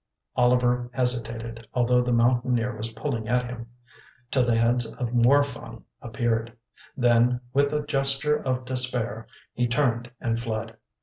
Oliver hesitated, although the Mountaineer was pulling at him, till the heads of more Fung appeared. Then, with a gesture of despair, he turned and fled.